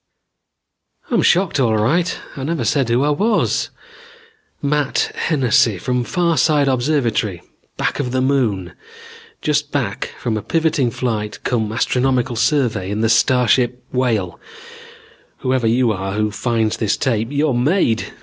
"I'm shocked all right. I never said who I was. Matt Hennessy, from Farside Observatory, back of the Moon, just back from a proving flight cum astronomical survey in the starship Whale. Whoever you are who finds this tape, you're made.